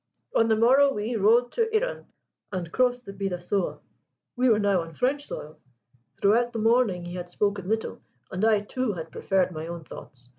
On the morrow we rode to Irun and crossed the Bidassoa. We were now on French soil. Throughout the morning he had spoken little, and I too had preferred my own thoughts.